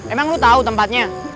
emang lo tau tempatnya